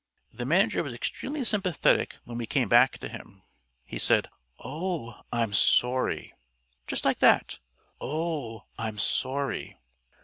The manager was extremely sympathetic when we came back to him. He said, "Oh, I'm sorry." Just like that "Oh, I'm sorry."